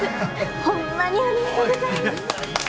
ホンマにありがとうございます！